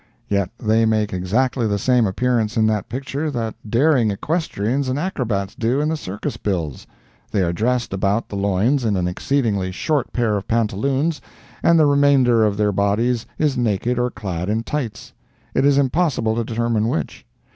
Yet they make exactly the same appearance in that picture that daring equestrians and acrobats do in the circus bills. They are dressed about the loins in an exceedingly short pair of pantaloons, and the remainder of their bodies is naked or clad in tights—it is impossible to determine which.